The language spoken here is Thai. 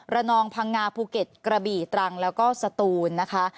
นองพังงาภูเก็ตกระบี่ตรังแล้วก็สตูนนะคะ